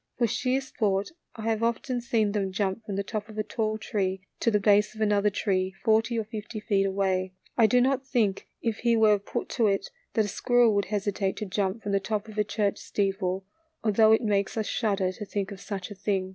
For sheer sport I have often seen them jump from the top of a tall tree to the base of another tree, forty or fifty feet away, I do not think if he were put to it that a squirrel would hesitate to jump from the top of a church steeple, although it makes us shudder to think of such a thing.